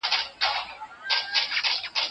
که مورنۍ ژبه وي، نو زده کړه جنجالي نه ده.